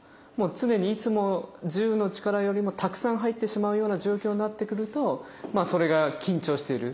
常にいつも１０の力よりもたくさん入ってしまうような状況になってくるとそれが緊張している。